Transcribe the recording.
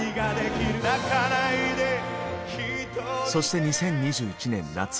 そして２０２１年夏。